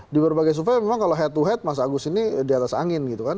di berbagai survei memang kalau head to head mas agus ini di atas angin gitu kan